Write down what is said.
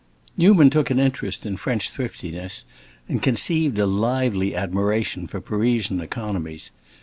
Newman took an interest in French thriftiness and conceived a lively admiration for Parisian economies.